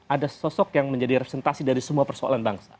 ada sosok yang menjadi representasi dari semua persoalan bangsa